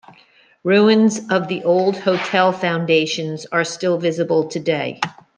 Ruins of the old hotel foundations are still visible today.